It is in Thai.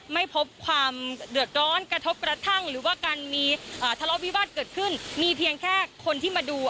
ไม่พบความเดือดร้อนกระทบกระทั่งหรือว่าการมีทะเลาะวิวาสเกิดขึ้นมีเพียงแค่คนที่มาดู